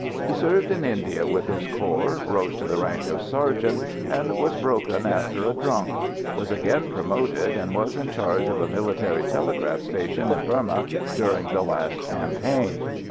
He served in India with his corps, rose to the rank of sergeant and was broken after a "drunk"; was again promoted, and was in charge of a military telegraph station in Burmah during the last campaign.